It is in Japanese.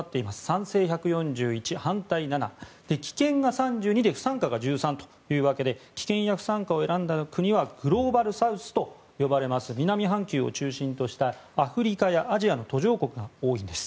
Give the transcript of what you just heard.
賛成１４１、反対７棄権が３２で不参加が１３というわけで棄権や不参加を選んだ国はグローバルサウスと呼ばれます南半球を中心としたアフリカやアジアの途上国が多いんです。